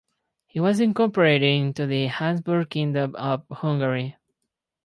It was incorporated into the Habsburg Kingdom of Hungary.